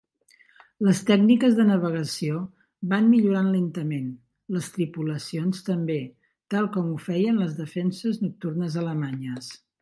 Les tècniques de navegació van millorar lentament, les tripulacions també, tal com ho feien les defenses nocturnes alemanyes.